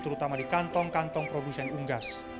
terutama di kantong kantong produksi yang unggas